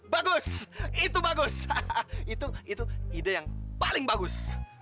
bagus itu bagus itu ide yang paling bagus